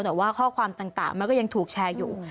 แต่ว่าข้อความต่างมันก็ยังถูกแชร์อยู่